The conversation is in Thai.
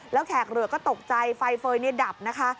แล้วแขกเรือก็ตกใจไฟเฟย์ดับนะคะ